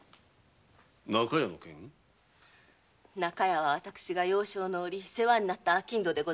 中屋は私が幼少の折世話になった商人。